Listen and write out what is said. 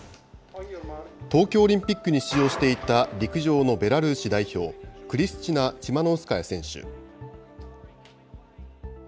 東京オリンピックに出場していた陸上のベラルーシ代表、クリスチナ・チマノウスカヤ選手。